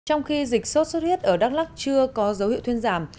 trong khi dịch sốt xuất huyết ở đắk lắc chưa có dấu hiệu thuyên giảm